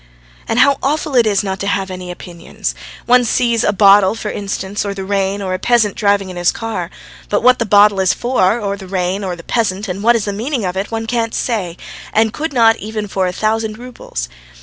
And how awful it is not to have any opinions! One sees a bottle, for instance, or the rain, or a peasant driving in his cart, but what the bottle is for, or the rain, or the peasant, and what is the meaning of it, one can't say, and could not even for a thousand roubles.